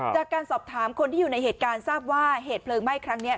จากการสอบถามคนที่อยู่ในเหตุการณ์ทราบว่าเหตุเพลิงไหม้ครั้งนี้